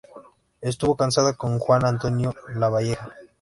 Estuvo casada con Juan Antonio Lavalleja.